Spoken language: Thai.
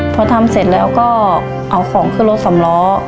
พอทำเสร็จแล้วก็เอาของขึ้นรถสำล้อ